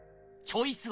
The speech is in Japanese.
チョイス！